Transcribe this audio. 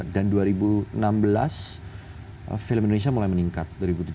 dan dua ribu enam belas film indonesia mulai meningkat